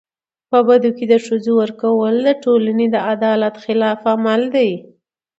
په بدو کي د ښځو ورکول د ټولني د عدالت خلاف عمل دی.